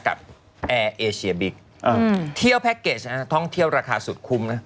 แอร์เอเชียบิ๊กเที่ยวแพ็คเกจนะท่องเที่ยวราคาสุดคุ้มนะ